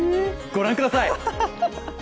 御覧ください！